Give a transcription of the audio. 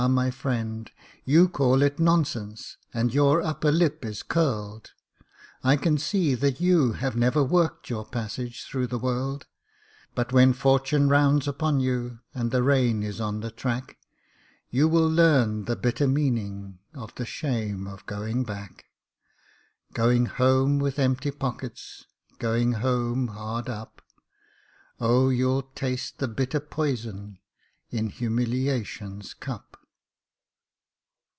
my friend, you call it nonsense, and your upper lip is curled, I can see that you have never worked your passage through the world; But when fortune rounds upon you and the rain is on the track, You will learn the bitter meaning of the shame of going back; Going home with empty pockets, Going home hard up; Oh, you'll taste the bitter poison in humiliation's cup.